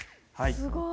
すごい。